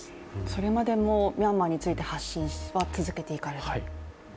それまでもミャンマーについて発信は続けていかれる？